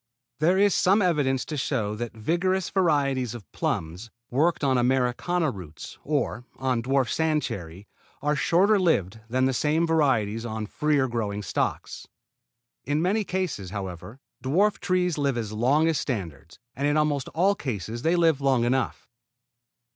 There is some evidence to show that vigorous varieties of plums worked on Americana roots or on dwarf sand cherry are shorter lived than the same varieties on freer growing stocks. In many cases, however, dwarf trees live as long as standards; and in almost all cases they live long enough.